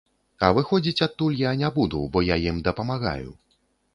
А выходзіць адтуль я не буду, бо я ім дапамагаю.